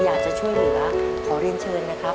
อยากจะช่วยเหลือขอเรียนเชิญนะครับ